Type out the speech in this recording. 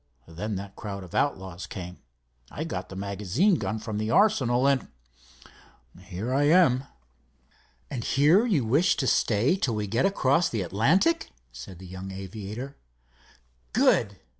Then that crowd of outlaws came, I got the magazine gun from the arsenal, and—here I am." "And here you wish to stay till we get across the Atlantic?" said the young aviator. "Good!